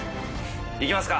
行きますか！